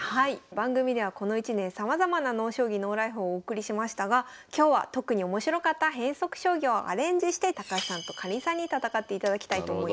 番組ではこの一年さまざまな「ＮＯ将棋ＮＯＬＩＦＥ」をお送りしましたが今日は特に面白かった変則将棋をアレンジして高橋さんとかりんさんに戦っていただきたいと思います。